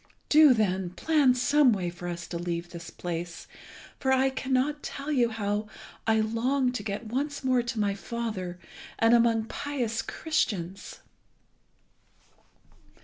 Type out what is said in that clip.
Do, then, plan some way for us to leave this place, for I cannot tell you how I long to get once more to my father, and among pious Christians."